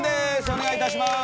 お願いいたします。